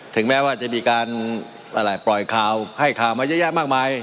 ถึงแม้ว่าจะมีการปล่อยข่าวให้ข่าวมาเยอะแยะมากมาย